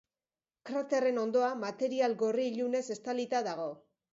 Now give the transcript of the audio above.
Kraterren hondoa material gorri ilunez estalita dago.